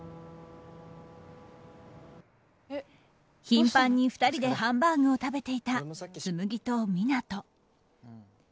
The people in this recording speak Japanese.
頻繁に２人でハンバーグを食べていた紬と湊斗。